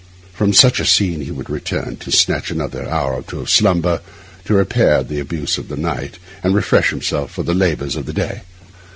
From such a scene he would return to snatch another hour or two of slumber, to repair the abuses of the night, and refresh himself for the labours of the day.